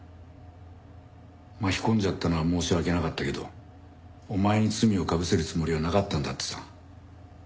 巻き込んじゃったのは申し訳なかったけどお前に罪をかぶせるつもりはなかったんだってさ。